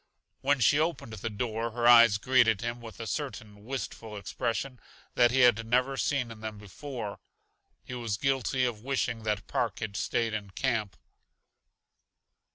When she opened the door her eyes greeted him with a certain wistful expression that he had never seen in them before. He was guilty of wishing that Park had stayed in camp.